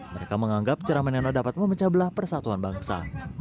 mereka menganggap ceramah neno dapat memecah belah persatuan bangsa